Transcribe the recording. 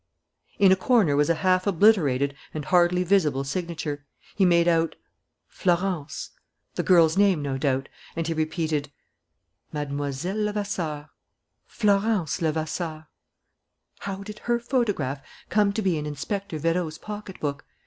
In a corner was a half obliterated and hardly visible signature. He made out, "Florence," the girl's name, no doubt. And he repeated: "Mlle. Levasseur, Florence Levasseur. How did her photograph come to be in Inspector Vérot's pocket book?